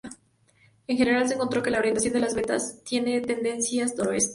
En general se encontró que la orientación de las vetas tiene tendencia noroeste.